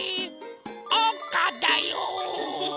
おうかだよ。